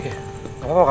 tidak apa apa pak